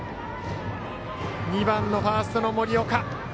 ２番、ファーストの森岡。